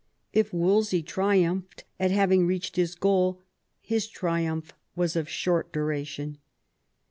If Wolsey triumphed at having reached his goal, his triumph was of short duration.